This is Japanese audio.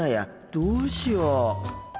どうしよう。